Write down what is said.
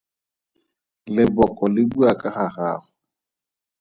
Leboko le bua ka ga gago.